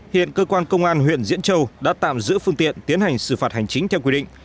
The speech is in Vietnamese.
hiện cơ quan công an huyện diễn châu đã tạm giữ phương tiện tiến hành xử phạt hành chính theo quy định